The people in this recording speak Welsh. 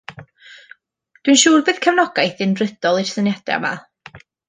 Dwi'n siŵr bydd cefnogaeth unfrydol i'r syniada' 'ma.